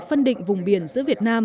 phân định vùng biển giữa việt nam